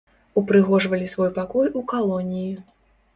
Упрыгожвалі свой пакой у калоніі.